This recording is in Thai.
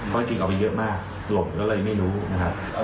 เพราะจริงเอาไปเยอะมากหลบก็เลยไม่รู้นะครับ